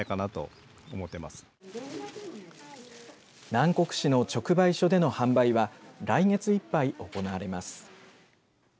南国市の直売所での販売は来月いっぱい行われます。